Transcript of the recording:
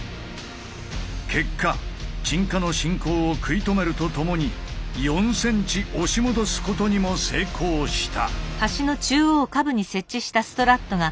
結果沈下の進行を食い止めるとともに４ｃｍ押し戻すことにも成功した。